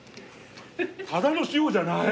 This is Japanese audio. ただの塩じゃない！